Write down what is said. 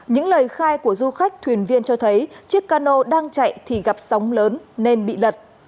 những lời khai của du khách thuyền viên cho thấy chiếc cano đang chạy thì gặp sóng lớn nên bị lật